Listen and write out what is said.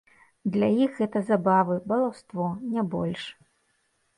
Для іх гэта забавы, балаўство, не больш.